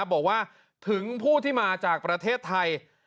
บอกว่าถึงผู้ที่มาจากประเทศไทย